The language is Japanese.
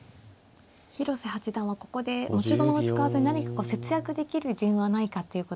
広瀬八段はここで持ち駒を使わずに何か節約できる順はないかっていうことを。